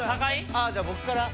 あっじゃあ僕から。